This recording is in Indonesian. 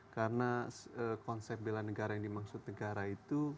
karena konsep bela negara yang dimaksud negara itu